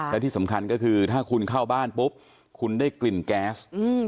และที่สำคัญก็คือถ้าคุณเข้าบ้านปุ๊บคุณได้กลิ่นแก๊ส